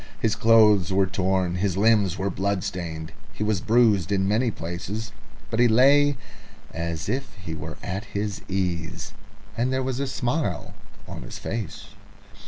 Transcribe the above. His clothes were torn, his limbs were blood stained, he was bruised in many places, but he lay as if he were at his ease, and there was a smile on his face.